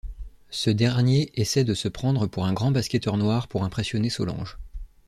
Ce dernier essaie de se prendre pour un grand basketteur noir pour impressionner Solange.